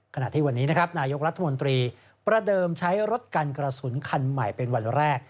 ขณะที่วันนี้นะครับนายกรัฐมนตรีประเดิมใช้รถกันกระสุนคันใหม่เป็นวันแรก